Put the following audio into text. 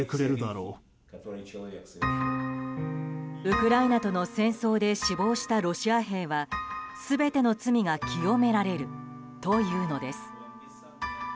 ウクライナとの戦争で死亡したロシア兵は全ての罪が清められるというのです。